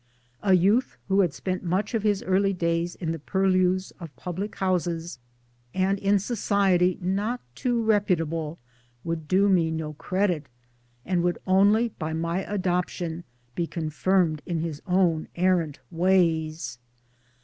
A youth who had spent much of his early time in the purlieus of public houses and in society not too reputable would do me no credit, and would only by my adoption be confirmed in his own errant ways.